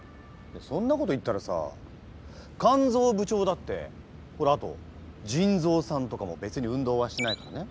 そんなこと言ったらさ肝ぞう部長だってほらあと腎ぞうさんとかも別に運動はしないからね。